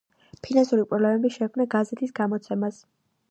ფინანსური პრობლემები შეექმნა გაზეთის გამოცემას.